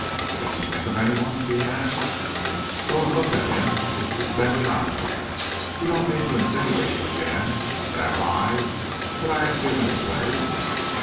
"Can you think of anyone?" Deane asked. Rowan looked at him with distended eyes. "You don't mean to insinuate," he began, "that I that I had given it away?"